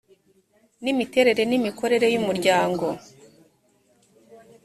n imiterere n imikorere y umuryango